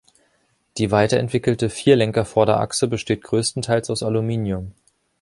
Die weiterentwickelte Vierlenker-Vorderachse besteht größtenteils aus Aluminium.